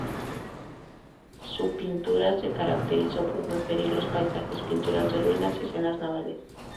Su pintura se caracterizó por preferir los paisajes, pinturas de ruinas y escenas navales.